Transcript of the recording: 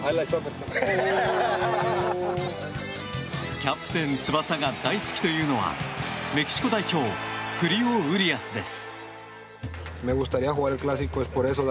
「キャプテン翼」が大好きというのはメキシコ代表フリオ・ウリアスです。